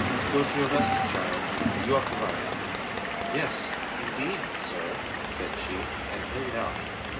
Go to your rest, child. You are provided." "Yes, indeed, sir," said she, and hurried out.